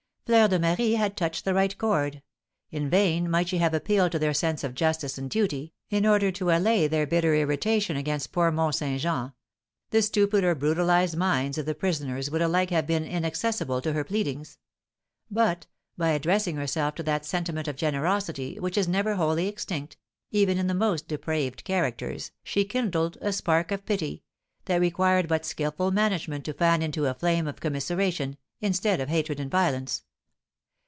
Fleur de Marie had touched the right chord; in vain might she have appealed to their sense of justice and duty, in order to allay their bitter irritation against poor Mont Saint Jean; the stupid or brutalised minds of the prisoners would alike have been inaccessible to her pleadings; but, by addressing herself to that sentiment of generosity, which is never wholly extinct, even in the most depraved characters, she kindled a spark of pity, that required but skilful management to fan into a flame of commiseration, instead of hatred and violence.